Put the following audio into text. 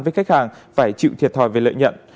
với khách hàng phải chịu thiệt thòi về lợi nhận